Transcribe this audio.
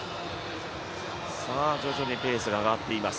徐々にペースが上がっています。